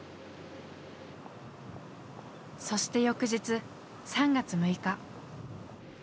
そして翌日３月６日。